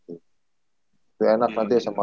itu enak nanti sma dua kalo menang bisa ke sma dua gitu ya